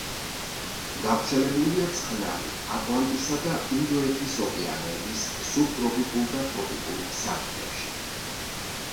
გავრცელებულია წყნარი, ატლანტისა და ინდოეთის ოკეანეების სუბტროპიკულ და ტროპიკულ სარტყლებში.